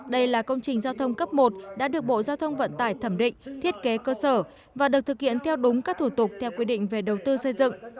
đây là công trình giao thông cấp một đã được bộ giao thông vận tải thẩm định thiết kế cơ sở và được thực hiện theo đúng các thủ tục theo quy định về đầu tư xây dựng